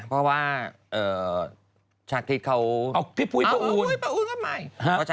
เพราะว่าฉันคิดเขานับถือมา